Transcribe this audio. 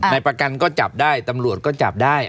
นายประกันก็จับได้ตำรวจก็จับได้